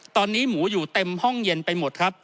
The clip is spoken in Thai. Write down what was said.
ตอนนี้หมูอยู่เต็มห้องเย็นไปหมดครับ